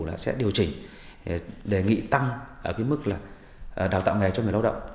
là sẽ điều chỉnh đề nghị tăng ở cái mức là đào tạo nghề cho người lao động